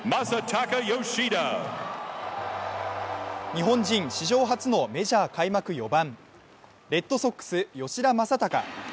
日本人史上初のメジャー開幕４番レッドソックス、吉田正尚。